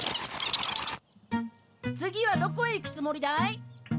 次はどこへ行くつもりだい？